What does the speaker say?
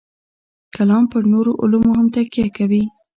کلام پر نورو علومو هم تکیه کوي.